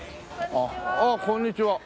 ああこんにちは。